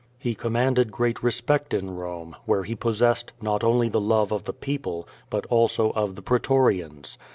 He commanded great respect in Bome, where he possessed not only the lovu of the people, but also of the pretorians.